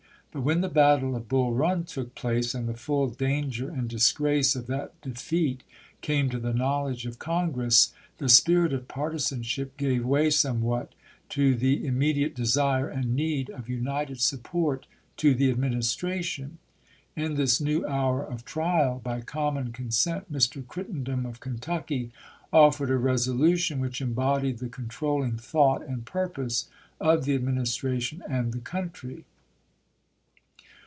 But when the battle of Bull Run took place, and the full danger and dis grace of that defeat came to the knowledge of Con gi'ess, the spirit of partisanship gave way somewhat to the immediate desire and need of united supjDort to the Administration. In this new hour of trial, by common consent, Mr. Crittenden of Kentucky offered a resolution which embodied the controlling thought and purpose of the Administration and the country.